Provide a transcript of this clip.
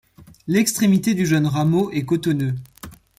L'extrémité du jeune rameau est cotonneux.